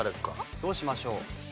どうしましょう？